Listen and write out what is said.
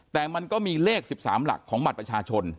แต่มันก็มีเลข๑๓หลักของบัตรประชาชน